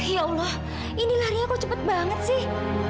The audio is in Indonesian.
ya allah ini larinya kok cepet banget sih